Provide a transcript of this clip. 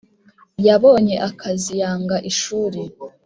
Yabonye akazi yanga ishuri